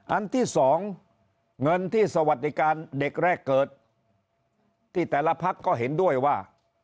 อันที่สองเงินที่สวัสดิการเด็กแรกเกิดที่แต่ละพักก็เห็นด้วยว่า